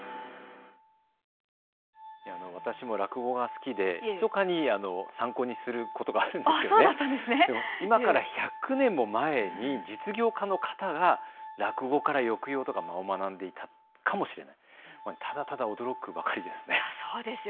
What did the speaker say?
私も落語が好きでひそかに参考にすることがあるんですけども今から１００年も前に実業家の方が落語から抑揚とか間を学んでいたかもしれない、ただただ驚くばかりです。